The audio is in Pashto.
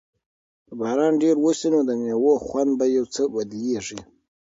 که باران ډېر وشي نو د مېوو خوند یو څه بدلیږي.